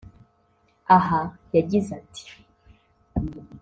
Aha yagize ati